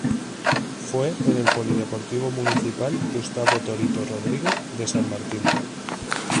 Fue en el Polideportivo Municipal Gustavo Torito Rodríguez de San Martín.